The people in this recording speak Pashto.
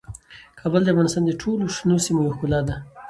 کابل د افغانستان د ټولو شنو سیمو یوه ښکلا ده.